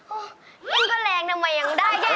โอ้ยแกนก็แรงทำไมยังได้แค่อันนี้ล่ะ